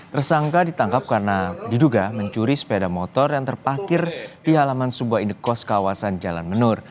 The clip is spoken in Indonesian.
tersangka ditangkap karena diduga mencuri sepeda motor yang terpakir di halaman sebuah indekos kawasan jalan menur